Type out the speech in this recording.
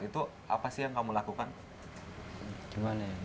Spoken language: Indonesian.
teman teman itu sebagian ada yang melakukan hal itu tapi yang lainnya yang lainnya